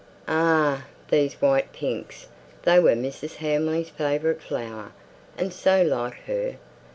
"Ah! these white pinks! They were Mrs. Hamley's favourite flower; and so like her!